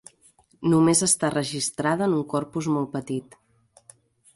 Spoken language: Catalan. Només està registrada en un corpus molt petit.